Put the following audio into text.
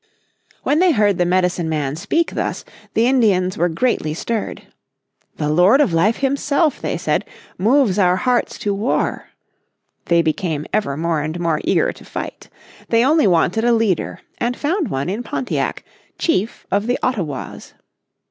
'" When they heard the Medicine Man speak thus, the Indians were greatly stirred. "The Lord of Life himself," they said, "moves our hearts to war." They became ever more and more eager to fight. They only wanted a leader, and found one in Pontiac, chief of the Ottawas.